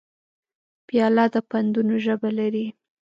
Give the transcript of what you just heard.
پیاله د پندونو ژبه لري.